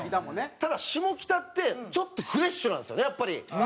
ただ下北ってちょっとフレッシュなんですよねやっぱり。